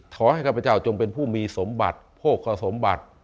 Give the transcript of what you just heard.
ข้าพเจ้าจงเป็นผู้มีสมบัติโภคสมบัติ